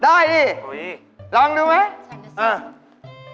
ได้สิลองดูไหมอ่าฉันล่ะสิ